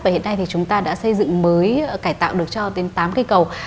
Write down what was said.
và hiện nay thì chúng ta đã xây dựng mới cải tạo được cho đến tám cây cầu